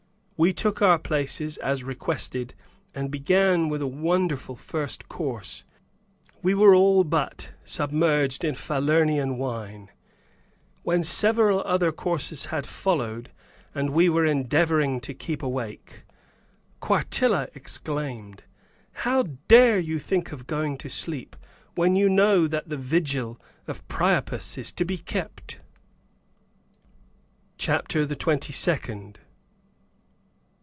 We took our places, as requested, and began with a wonderful first course. We were all but submerged in Falernian wine. When several other courses had followed, and we were endeavoring to keep awake Quartilla exclaimed, "How dare you think of going to sleep when you know that the vigil of Priapus is to be kept?" CHAPTER THE TWENTY SECOND.